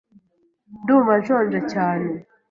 Ndumva nshonje cyane. .